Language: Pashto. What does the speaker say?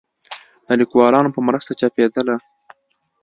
د ليکوالانو په مرسته چاپېدله